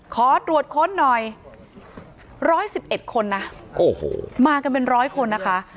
ขอตรวจค้นหน่อย๑๑๑คนนะโอ้โหมากันเป็นร้อยคนนะคะ